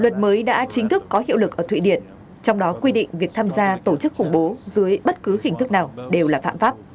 luật mới đã chính thức có hiệu lực ở thụy điển trong đó quy định việc tham gia tổ chức khủng bố dưới bất cứ hình thức nào đều là phạm pháp